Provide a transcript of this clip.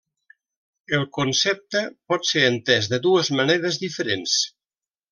El concepte pot ser entès de dues maneres diferents.